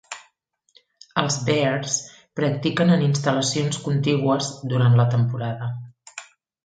Els Bears practiquen en instal·lacions contigües durant la temporada.